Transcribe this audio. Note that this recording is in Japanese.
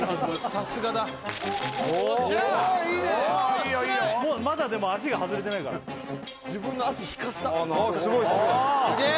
少ないまだでも足が外れてないから自分の足引かしたすげえ！